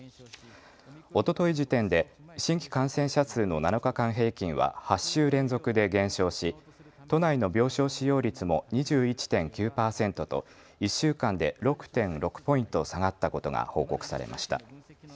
おととい時点で新規感染者数の７日間平均は８週連続で減少し都内の病症使用率も２１．９％と１週間で６．６ポイント下がったことが報告されました。